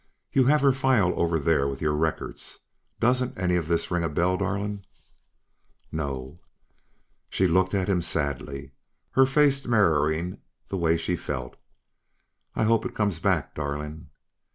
"You have her file over there with your records. Doesn't any of this ring a bell, darling?" "No." She looked at him sadly, her face mirroring the way she felt. "I hope it'll come back, darling."